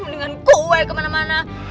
mendingan gue kemana mana